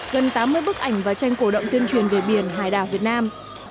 gần tám mươi bức ảnh và tranh cổ động tuyên truyền về biển hải đảo việt nam